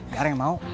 gara gara yang mau